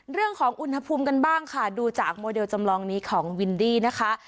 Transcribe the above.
เรื่องของอุณหภูมิกันบ้างค่ะดูจากโมเดลจำลองนี้ของวินดี้นะคะ